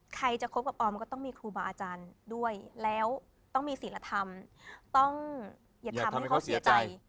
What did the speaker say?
ใครจะคบกับออมก็ต้องมีครูบาอาจารย์ด้วยแล้วต้องมีศิลธรรมต้องอย่าทำให้เขาเสียใจ